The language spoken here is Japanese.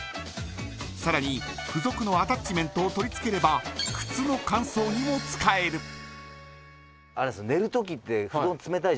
さらに付属のアタッチメントを取り付ければ靴の乾燥にも使える。